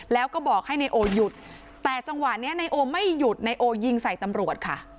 แล้วก็บอกให้นายโอหยุดแต่จังหวะนี้นายโอไม่หยุดนายโอยิงใส่ตำรวจค่ะ